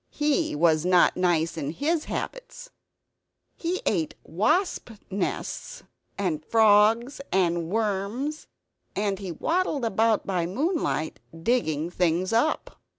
He was not nice in his habits. He ate wasp nests and frogs and worms; and he waddled about by moonlight, digging things up.